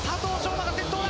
馬が先頭だ。